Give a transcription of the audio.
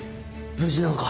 無事なのか？